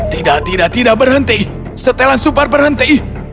tidak tidak tidak berhenti setelan subar berhenti